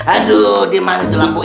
aduh dimana tuh lampu ye